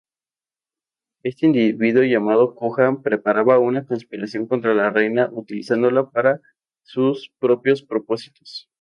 Este individuo llamado Kuja preparaba una conspiración contra la reina utilizándola para sus propósitos.